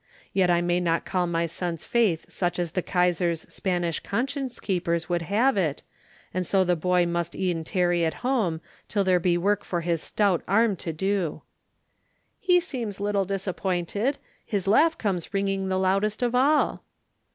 Yet I may not call my son's faith such as the Kaisar's Spanish conscience keepers would have it, and so the boy must e'en tarry at home till there be work for his stout arm to do." "He seems little disappointed. His laugh comes ringing the loudest of all."